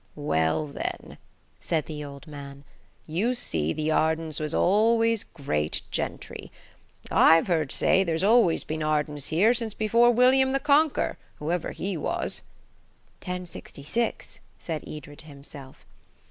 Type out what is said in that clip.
"Well, then," said the old man, "you see the Ardens was always great gentry. I've heard say there's always been Ardens here since before William the Conker, whoever he was." "Ten sixty six," said Edred to himself.